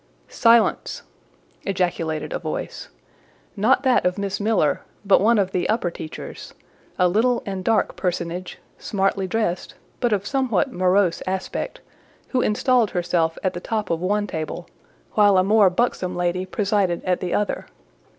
"Silence!" ejaculated a voice; not that of Miss Miller, but one of the upper teachers, a little and dark personage, smartly dressed, but of somewhat morose aspect, who installed herself at the top of one table, while a more buxom lady presided at the other.